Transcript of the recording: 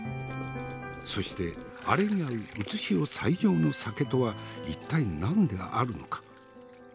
そしてアレに合う現世最上の酒とは一体何であるのか。